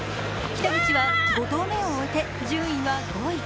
北口は５投目を終えて順位は５位。